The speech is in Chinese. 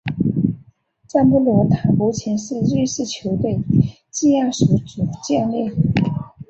赞布罗塔目前是瑞士球队基亚索主教练。